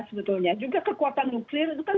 sebetulnya juga kekuatan nuklir itu kan